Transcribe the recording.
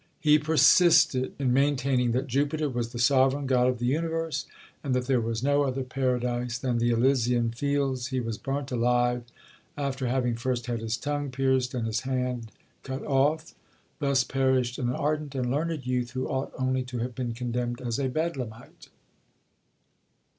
He persisted in maintaining that Jupiter was the sovereign God of the universe, and that there was no other paradise than the Elysian fields. He was burnt alive, after having first had his tongue pierced, and his hand cut off. Thus perished an ardent and learned youth, who ought only to have been condemned as a Bedlamite.